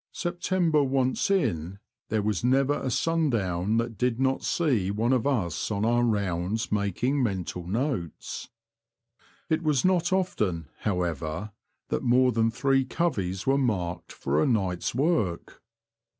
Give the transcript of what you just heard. September once in, there was never a sun down that did not see one of us on our rounds making mental notes. It was not often, however, that more than three coveys were marked for a night's work.